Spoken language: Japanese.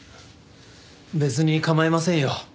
別に構いませんよ。